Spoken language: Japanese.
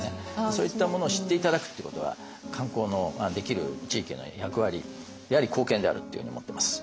そういったものを知って頂くっていうことは観光のできる地域の役割であり貢献であるっていうふうに思ってます。